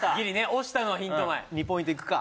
押したのはヒント前・２ポイントいくか？